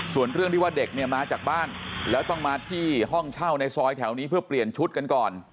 ส่วนเรื่องที่ว่าเด็กเนี่ยมาจากบ้านแล้วต้องมาที่ห้องเช่าในซอยแถวนี้เพื่อเปลี่ยนชุดกันก่อน